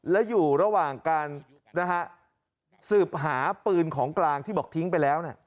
และอยู่ระหว่างการสืบหาปืนของกลางที่บอกทิ้งไปแล้ว